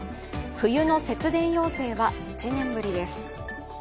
冬の節電要請は７年ぶりです。